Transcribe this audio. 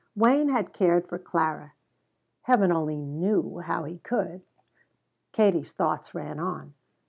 Wayne had cared for Clara. Heaven only knew how he could Katie's thoughts ran on.